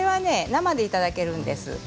生でいただけるんです。